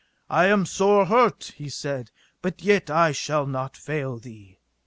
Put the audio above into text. I am sore hurt, he said, but yet I shall not fail thee.